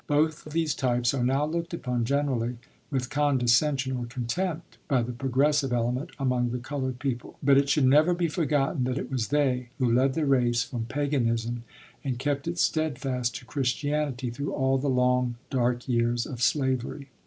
Both these types are now looked upon generally with condescension or contempt by the progressive element among the colored people; but it should never be forgotten that it was they who led the race from paganism and kept it steadfast to Christianity through all the long, dark years of slavery.